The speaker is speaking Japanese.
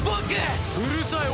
うるさい。